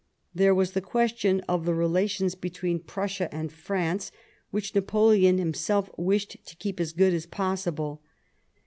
There was the question of the relations between Prussia and France, which Napoleon himself wished to keep as good as possible.